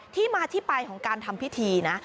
ที่มาที่ไปของการทำพิธีนะ